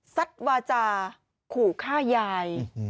วาจาขู่ฆ่ายาย